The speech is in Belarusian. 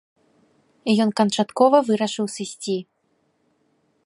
Ён канчаткова вырашыў сысці.